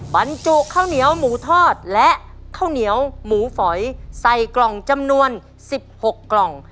บรรจุข้าวเหนียวหมูทอดและข้าวเหนียวหมูฝอยใส่กล่องจำนวน๑๖กล่อง